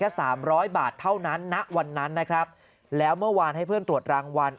สามร้อยบาทเท่านั้นณวันนั้นนะครับแล้วเมื่อวานให้เพื่อนตรวจรางวัล